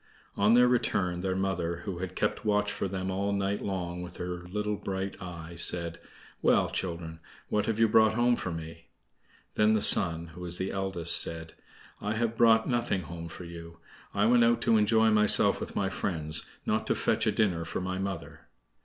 On their return, their mother, who had kept watch for them all night long with her little bright eye, said: "Well, children, what have you brought home for me?" Then the Sun (who was the eldest) said: "I have brought nothing home for you. I went out to enjoy myself with my friends, not to fetch a dinner for my mother!"